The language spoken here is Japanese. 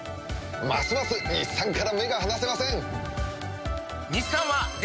ますます日産から目が離せません！